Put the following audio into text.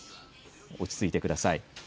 落ち着いてください。